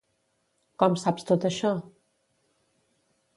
Com saps tot això?